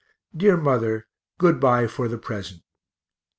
Dear mother, good bye for present.